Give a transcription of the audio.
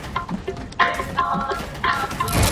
روانی فشار څنګه کمیږي؟